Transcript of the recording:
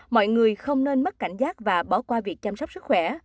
mọi người không nên mất cảnh giác và bỏ qua việc chăm sóc sức khỏe